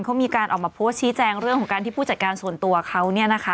เขามีการออกมาโพสต์ชี้แจงเรื่องของการที่ผู้จัดการส่วนตัวเขาเนี่ยนะคะ